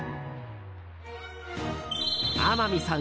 天海さん